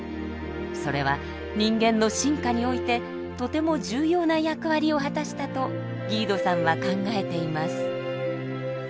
それは人間の進化においてとても重要な役割を果たしたとギードさんは考えています。